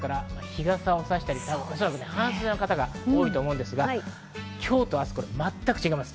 日傘をさしたり、おそらく半袖の方が多いと思いますが、今日と明日、全く違います。